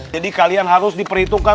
jadi kalian harus diperhitungkan